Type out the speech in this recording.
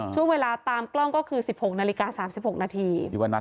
ช่วงเวลาตามกล้องก็คือ๑๖นาฬิกา๓๖นาที